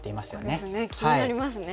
ここですね気になりますね。